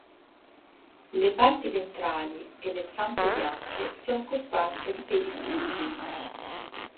Le parti ventrali e le zampe bianche sono cosparse di peli fulvi.